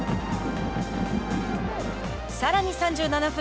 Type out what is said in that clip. さらに３７分。